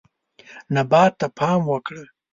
نبات ته پام وکړه.